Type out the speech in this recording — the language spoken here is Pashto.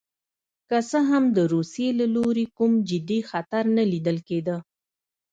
که څه هم د روسیې له لوري کوم جدي خطر نه لیدل کېده.